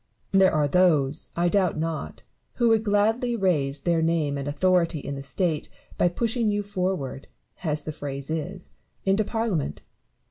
There are those, I doubt not, who would gladly raise their name and authority in the State by pushing you forward, as the phrase is, into Parliament.